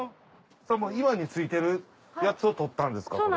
岩に付いてるやつをとったんですか？